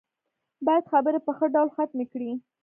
بايد خبرې په ښه ډول ختمې کړي.